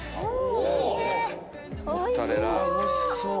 おいしそう！